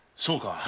そうか！